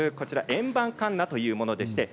円盤かんなというものです。